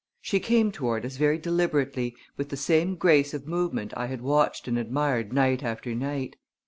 She came toward us very deliberately, with the same grace of movement I had watched and admired night after night.